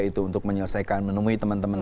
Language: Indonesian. itu untuk menyelesaikan menemui teman teman